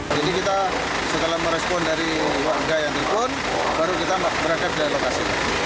jadi kita setelah merespon dari warga yang telpon baru kita berangkat ke daerah